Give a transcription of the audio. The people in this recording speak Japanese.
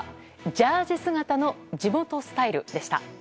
ジャージー姿の地元スタイルでした。